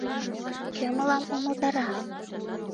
Кӧ мылам умылтара?